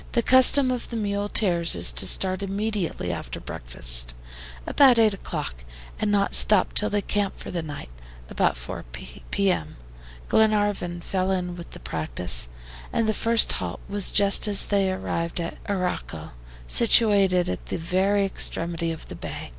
The custom of the muleteers is to start immediately after breakfast, about eight o'clock, and not to stop till they camp for the night, about 4 P. M. Glenarvan fell in with the practice, and the first halt was just as they arrived at Arauco, situated at the very extremity of the bay.